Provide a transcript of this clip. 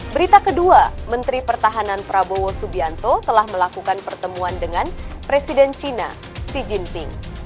berita kedua menteri pertahanan prabowo subianto telah melakukan pertemuan dengan presiden cina xi jinping